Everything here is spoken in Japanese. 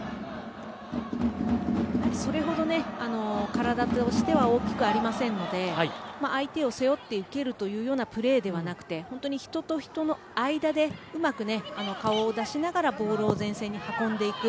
それほど体としては大きくありませんので相手を背負って受けるというプレーではなくて本当に人と人の間にうまく顔を出しながらボールを前線に運んでいく。